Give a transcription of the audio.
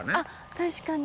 確かに。